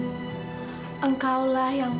beban mereka ber chlorine tangible